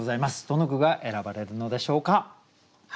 どの句が選ばれるのでしょうか。